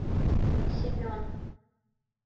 Семён...